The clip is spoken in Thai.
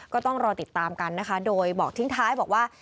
ก็ต้องรอติดตามกันนะคะโดยบอกทิ้งท้ายบอกว่า